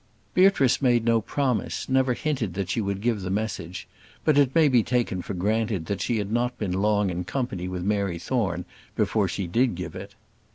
Beatrice made no promise, never hinted that she would give the message; but it may be taken for granted that she had not been long in company with Mary Thorne before she did give it.